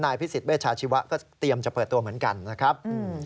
พิสิทธเวชาชีวะก็เตรียมจะเปิดตัวเหมือนกันนะครับ